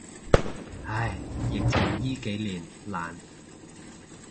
唉，疫情依幾年，難。